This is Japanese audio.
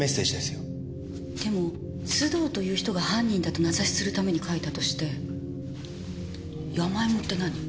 でも須藤という人が犯人だと名指しするために書いたとして山芋って何？